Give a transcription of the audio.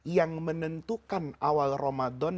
yang menentukan awal ramadan